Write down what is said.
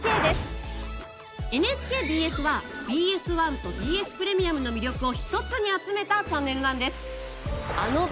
ＮＨＫＢＳはＢＳ１とＢＳプレミアムの魅力を一つに集めたチャンネルなんです。